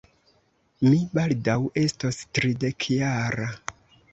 Mi baldaŭ estos tridekjara.